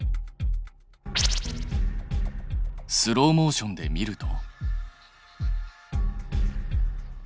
スローモーションで見ると。